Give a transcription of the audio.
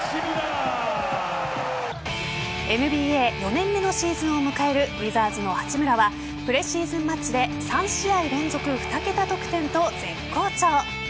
ＮＢＡ４年目のシーズンを迎えるウィザーズの八村はプレシーズンマッチで３試合連続２桁得点と絶好調。